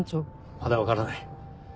まだ分からない。